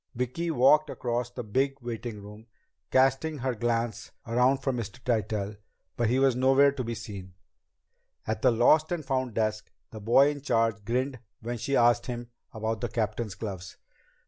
Vicki walked across the big waiting room, casting her glance around for Mr. Tytell, but he was nowhere to be seen. At the Lost and Found desk, the boy in charge grinned when she asked about the captain's gloves.